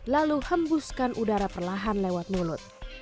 lalu hembuskan udara perlahan lewat mulut